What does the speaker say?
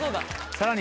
さらに。